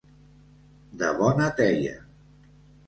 De bona teia.